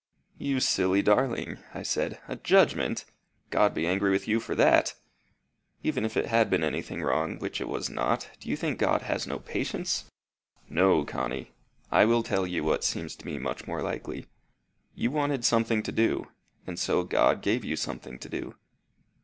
"You silly darling!" I said. "A judgment! God be angry with you for that! Even if it had been anything wrong, which it was not, do you think God has no patience? No, Connie. I will tell you what seems to me much more likely. You wanted something to do; and so God gave you something to do."